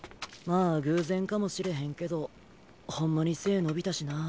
まあ偶然かもしれへんけどほんまに背ぇ伸びたしな。